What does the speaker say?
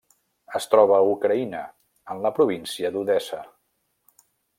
Es troba a Ucraïna, en la província d'Odessa.